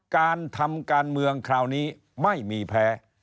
การทำการเมืองคราวนี้ไม่มีแพ้